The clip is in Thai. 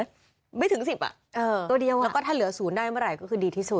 ถ้าเหลือไม่ถึง๑๐แล้วก็ถ้าเหลือ๐ได้เมื่อไหร่ก็คือดีที่สุด